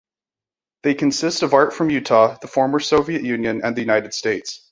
They consist of art from Utah, the former Soviet Union and the United States.